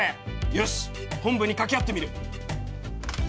よし本部に掛け合ってみる！